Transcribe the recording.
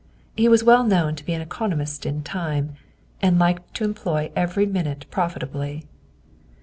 He was well known to be an economist in time, and liked to employ every minute profitably.